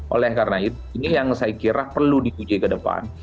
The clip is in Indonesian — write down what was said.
oleh karena itu ini yang saya kira perlu diuji ke depan